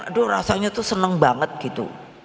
aduh rasanya tuh seneng banget gitu